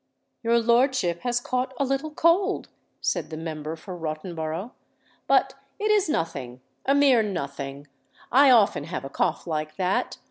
"Your lordship has caught a little cold," said the Member for Rottenborough. "But it is nothing—a mere nothing: I often have a cough like that.